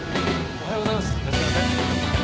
おはようございます。